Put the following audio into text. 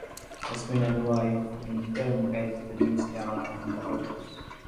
Husband and wife in turn passed the new style on to others.